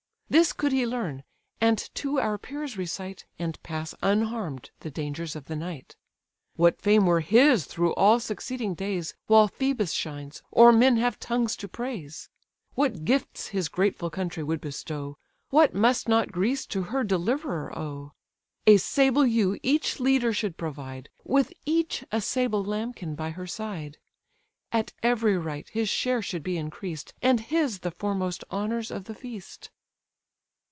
This could he learn, and to our peers recite, And pass unharm'd the dangers of the night; What fame were his through all succeeding days, While Phœbus shines, or men have tongues to praise! What gifts his grateful country would bestow! What must not Greece to her deliverer owe? A sable ewe each leader should provide, With each a sable lambkin by her side; At every rite his share should be increased, And his the foremost honours of the feast."